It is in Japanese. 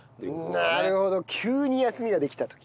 なるほど急に休みができた時。